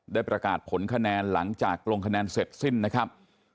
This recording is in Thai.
ได้ประกาศผลคะแนนหลังจากลงคะแนนเสร็จสิ้นนะครับ